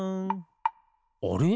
あれ？